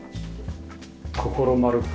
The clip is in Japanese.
心丸く。